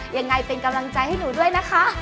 ยังไงเป็นกำลังใจให้หนูด้วยนะคะ